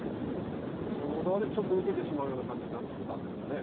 この、のど輪で受けてしまうような感じになったんですかね。